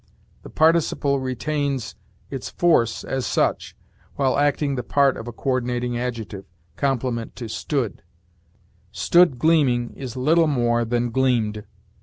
The participle retains its force as such, while acting the part of a coördinating adjective, complement to 'stood'; 'stood gleaming' is little more than 'gleamed.'